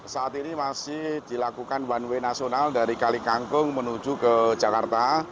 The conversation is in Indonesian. saat ini masih dilakukan one way nasional dari kali kangkung menuju ke jakarta